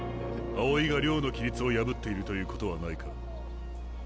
青井が寮の規律を破っているということはないか？